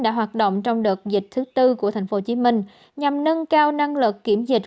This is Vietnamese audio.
đã hoạt động trong đợt dịch thứ tư của tp hcm nhằm nâng cao năng lực kiểm dịch